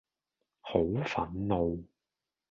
好憤怒